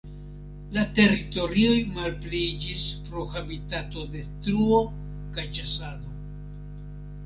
La teritorioj malpliiĝis pro habitatodetruo kaj ĉasado.